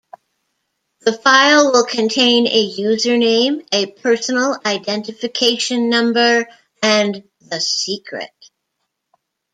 The file will contain a username, a personal identification number, and the secret.